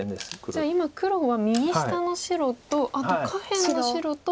じゃあ今黒は右下の白とあと下辺の白と。